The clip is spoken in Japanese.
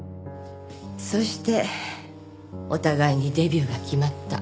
そしてお互いにデビューが決まった。